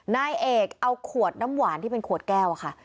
นายเอกเอาขวดน้ำหวานที่เป็นขวดแก้วค่ะ